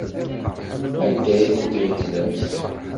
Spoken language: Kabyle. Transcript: Anda ay ten-tbeddlemt?